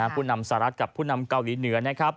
ผู้นำสหรัฐกับผู้นำเกาหลีเหนือนะครับ